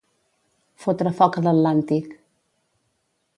Fotre foc a l'Atlàntic.